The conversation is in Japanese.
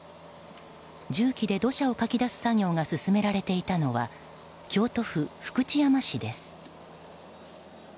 重機で土砂をかき出す作業が進められていたのは京都府福知山市です。